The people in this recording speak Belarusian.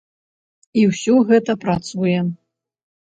І ўсё гэта працуе!